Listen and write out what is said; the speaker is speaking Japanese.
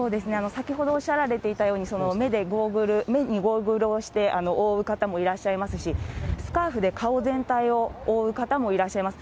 先ほどおっしゃられていたように、目にゴーグルをして覆う方もいらっしゃいますし、スカーフで顔全体を覆う方もいらっしゃいます。